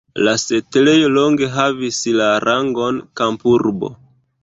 La setlejo longe havis la rangon kampurbo.